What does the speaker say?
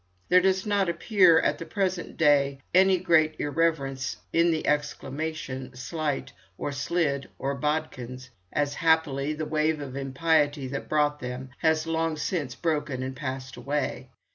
There does not appear at the present day any great irreverence in the exclamation, "S'light," or "S'lid," or "Bodikins," as, happily, the wave of impiety that brought them has long since broken and passed away.